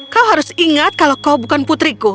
kau harus ingat kalau kau bukan putriku